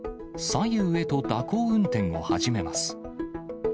左右へと蛇行運転を始めます。